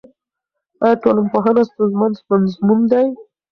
آیا ټولنپوهنه ستونزمن مضمون دی؟